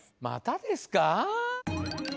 またですか？